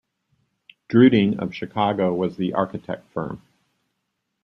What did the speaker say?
Druiding of Chicago was the Architect Firm.